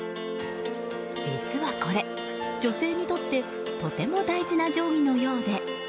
実はこれ、女性にとってとても大事な定規のようで。